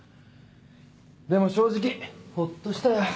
でも正直ほっとしたよ